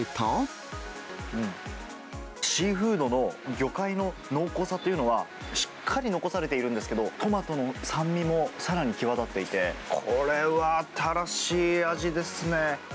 シーフードの魚介の濃厚さというのは、しっかり残されているんですけど、トマトの酸味もさらに際立っていて、これは新しい味ですね。